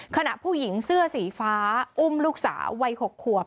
ขณะผู้หญิงเสื้อสีฟ้าอุ้มลูกสาววัย๖ขวบ